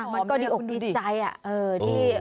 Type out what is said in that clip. มันก็ดีโอกพิษไตนะคะ